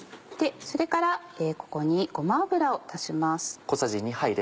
それからここにごま油を足します。